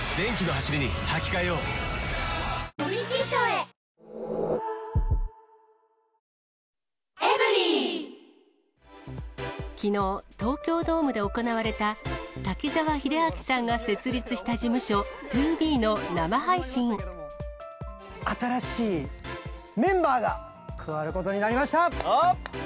過去最大の補助金もきのう、東京ドームで行われた滝沢秀明さんが設立した事務所、ＴＯＢＥの新しいメンバーが加わることになりました。